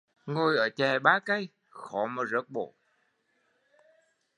Ngồi ở chẹ ba cây khó mà rớt bổ